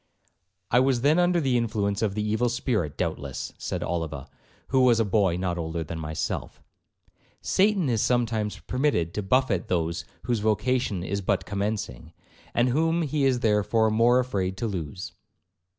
'—'I was then under the influence of the evil spirit doubtless,' said Oliva, who was a boy not older than myself; 'Satan is sometimes permitted to buffet those whose vocation is but commencing, and whom he is therefore more afraid to lose.'